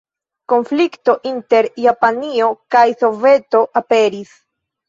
Konflikto inter Japanio kaj Soveto aperis.